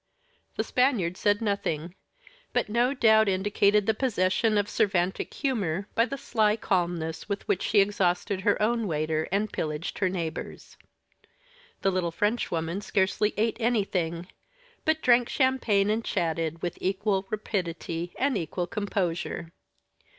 The Spaniard said nothing, but no doubt indicated the possession of Cervantic humor by the sly calmness with which she exhausted her own waiter and pillaged her neighbors. The little Frenchwoman scarcely ate anything, but drank champagne and chatted, with equal rapidity and equal composure.